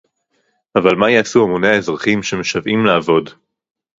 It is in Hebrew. אבל מה יעשו המוני האזרחים שמשוועים לעבוד